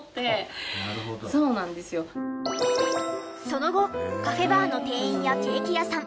その後カフェバーの店員やケーキ屋さん